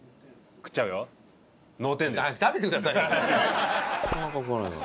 なかなか食わないな。